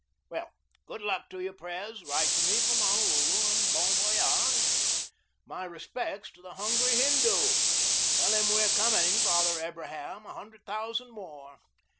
Well, good luck to you, Pres. Write to me from Honolulu, and bon voyage. My respects to the hungry Hindoo. Tell him 'we're coming, Father Abraham, a hundred thousand more.'